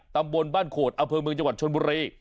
ตำบลบ้านโขดอำเภอเมืองจังหวัดชนบุรี